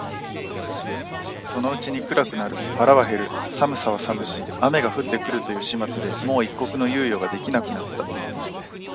そのうちに暗くなる、腹は減る、寒さは寒し、雨が降って来るという始末でもう一刻の猶予が出来なくなった